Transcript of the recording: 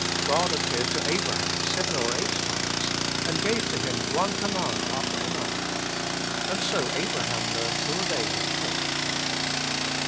God appeared to Abraham seven or eight times, and gave to him one command after another; and so Abra ham learned to obey Him perfectly.